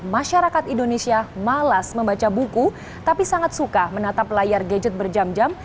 masyarakat indonesia malas membaca buku tapi sangat suka menatap layar gadget berjam jam